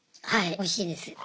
はいおいしいです。